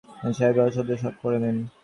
নিজাম সাহেব অসাধ্য সাধন করলেন।